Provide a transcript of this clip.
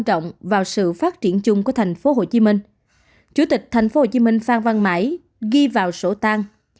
trọng vào sự phát triển chung của thành phố hồ chí minh chủ tịch tp hcm phan văn mãi ghi vào sổ tang